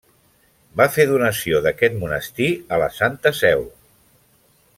Va fer donació d'aquest monestir a la Santa Seu.